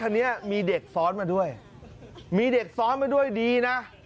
คันนี้มีเด็กซ้อนมาด้วยมีเด็กซ้อนมาด้วยดีนะ